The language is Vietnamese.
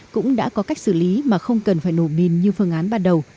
cũng đã có cách xử lý mà không cần phải nổ bìn như phương án bắt đầu